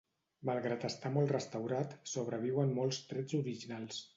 Malgrat estar molt restaurat, sobreviuen molts trets originaris.